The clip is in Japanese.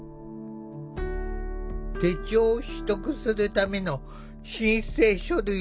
手帳を取得するための申請書類を出す時も。